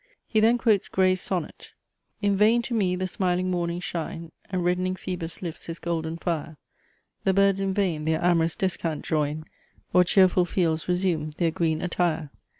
He then quotes Gray's sonnet "In vain to me the smiling mornings shine, And reddening Phoebus lifts his golden fire; The birds in vain their amorous descant join, Or cheerful fields resume their green attire.